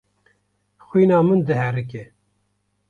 Xwîna min diherike.